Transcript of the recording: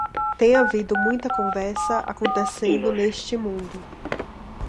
Tem havido muita conversa acontecendo neste mundo.